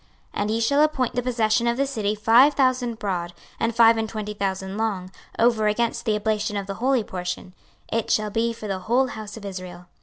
26:045:006 And ye shall appoint the possession of the city five thousand broad, and five and twenty thousand long, over against the oblation of the holy portion: it shall be for the whole house of Israel.